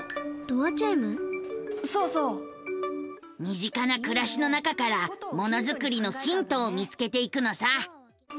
身近な暮らしの中からものづくりのヒントを見つけていくのさ。